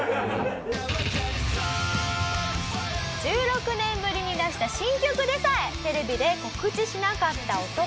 「１６年ぶりに出した新曲でさえテレビで告知しなかった男が」